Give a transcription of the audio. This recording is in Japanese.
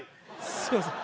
すいません。